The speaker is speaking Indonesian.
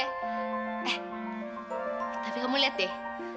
tapi kamu lihat deh